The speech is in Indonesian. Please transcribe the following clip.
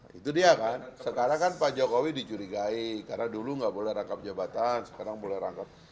itu dia kan sekarang kan pak jokowi dicurigai karena dulu nggak boleh rangkap jabatan sekarang boleh rangkap